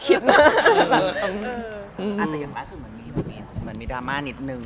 แต่ในลักษณ์สุดมันมีดราม่านิดนึง